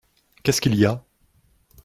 Qu’est-ce qu’il y a ?